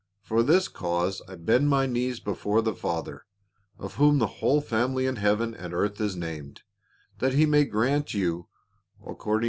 For this cause I bend my knees before the Father, of whom the whole family in heaven and earth is named, that he may grant you, according 446 PA UL.